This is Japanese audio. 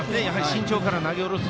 身長から投げ下ろす